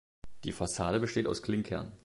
Die Fassade besteht aus Klinkern.